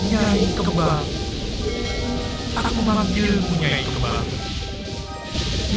jaih kembang aku memanggilmu jaih kembang